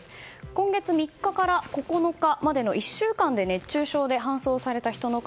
今月３日から９日までの１週間で熱中症で搬送された人の数